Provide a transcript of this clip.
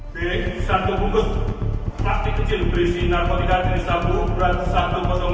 b satu bungkus plastik kecil berisi narkotika jenis satu berat satu ratus dua gram